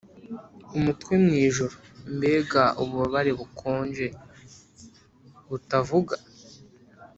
umutwe mwijoro! mbega ububabare bukonje, butavuga